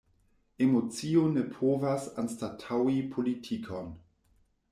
Emocio ne povas anstataŭi politikon.